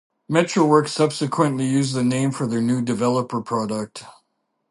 Metrowerks subsequently used the name for their new developer product.